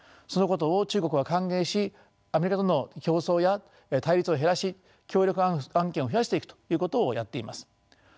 そのことを中国は歓迎しアメリカとの競争や対立を減らし協力案件を増やしていくということをやっています。